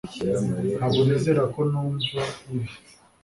Ntabwo nizera ko numva ibi